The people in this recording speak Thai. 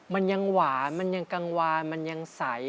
มันยังหวานมันยังกังวานมันยังใส